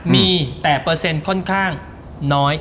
มีแต่เปอร์เซ็นต์ค่อนข้างน้อย